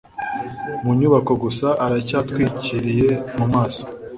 munyubako gusa aracyatwikiriye mumaso